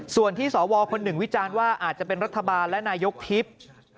ส่วนที่สวคนหนึ่งวิจารณ์ว่าอาจจะเป็นรัฐบาลและนายกทิพย์